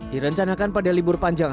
direncanakan pada libur panjang